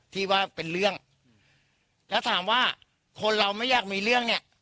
ที่ว่าเป็นเรื่องแล้วถามว่าคนเราไม่อยากมีเรื่องเนี่ย